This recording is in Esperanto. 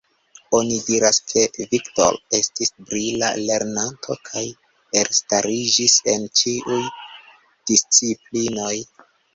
Oni diras ke, Viktor estis brila lernanto, kaj elstariĝis en ĉiuj disciplinoj.